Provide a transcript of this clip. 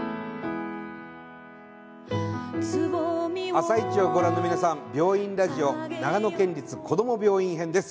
「あさイチ」をご覧の皆さん、「病院ラジオ長野県立こども病院編」です。